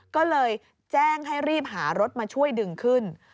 ก็เลยแจ้งให้รีบหารถมาช่วยดึงขึ้น